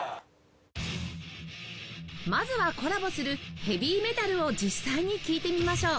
まずはコラボするヘヴィメタルを実際に聴いてみましょう